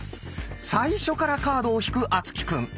最初からカードを引く敦貴くん。